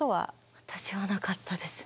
私はなかったですね。